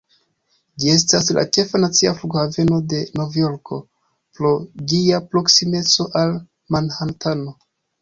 Ĝi estas la ĉefa nacia flughaveno de Novjorko, pro ĝia proksimeco al Manhatano.